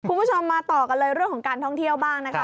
คุณผู้ชมมาต่อกันเลยเรื่องของการท่องเที่ยวบ้างนะคะ